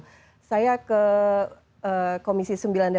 jadi ini sudah dianggap seperti penyakit lainnya begitu ya bu nadia